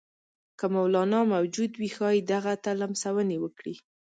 که مولنا موجود وي ښايي دغه ته لمسونې وکړي.